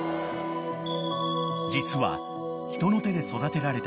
［実は人の手で育てられた］